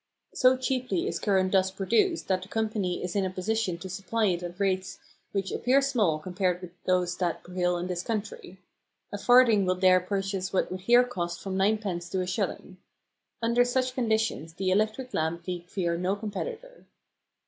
So cheaply is current thus produced that the Company is in a position to supply it at rates which appear small compared with those that prevail in this country. A farthing will there purchase what would here cost from ninepence to a shilling. Under such conditions the electric lamp need fear no competitor.